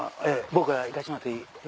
僕からいかしてもらっていい？